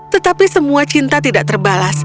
tetapi semua cinta tidak terbalas